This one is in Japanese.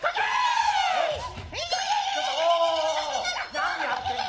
何やってんだ！？